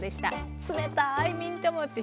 冷たいミントもち